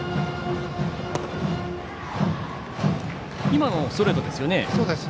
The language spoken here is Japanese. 今のはストレートでしたよね。